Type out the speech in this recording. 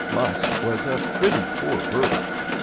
Lusk was a pretty poor bird.